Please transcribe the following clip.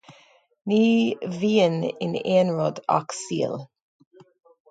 Ní bhíonn in aon rud ach seal.